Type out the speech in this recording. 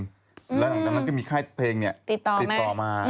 แล้วหลังจากนั้นก็มีค่ายเพลงติดต่อมา